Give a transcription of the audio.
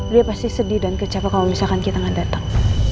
dia pasti sedih dan kecewa kalau misalkan kita nggak datang